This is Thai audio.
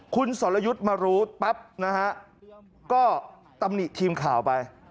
คุณสรยุทธ์มารู้ปั๊บนะฮะก็ตำหนิทีมข่าวไป